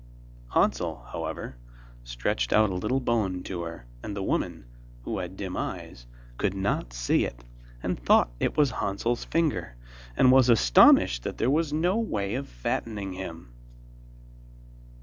Hansel, however, stretched out a little bone to her, and the old woman, who had dim eyes, could not see it, and thought it was Hansel's finger, and was astonished that there was no way of fattening him.